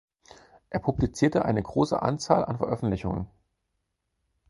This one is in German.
Er publizierte eine große Anzahl an Veröffentlichungen.